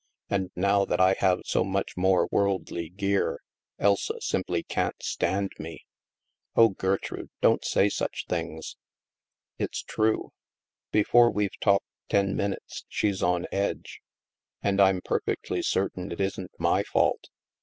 And now that I have so much more worldly gear, Elsa simply can't stand me. " Oh, Gertrude, don't say such things." " It's true. Before we've talked ten ^minutes, she's on edge. And I'm perfectly certain it isn't my fault.